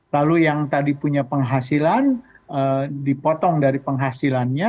lalu yang tadi punya penghasilan dipotong dari penghasilannya